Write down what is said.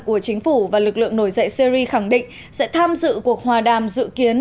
của chính phủ và lực lượng nổi dậy syri khẳng định sẽ tham dự cuộc hòa đàm dự kiến